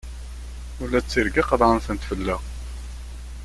Ula d tirga qeḍεen-tent fell-aɣ!